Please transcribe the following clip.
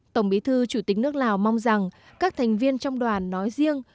tổng bí thư chủ tịch nước lào mong rằng các thành viên trong đoàn nói riêng